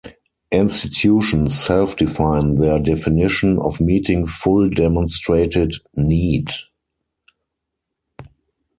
Institutions self-define their definition of meeting full demonstrated need.